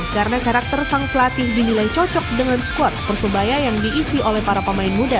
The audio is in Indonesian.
karena karakter sang pelatih dinilai cocok dengan skor persebaya yang diisi oleh para pemain muda